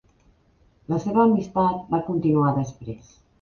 La seva amistat va continuar després.